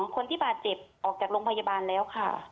คนที่บาดเจ็บออกจากโรงพยาบาลแล้วค่ะ